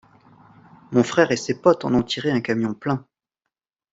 Mon frère et ses potes en ont tiré un camion plein.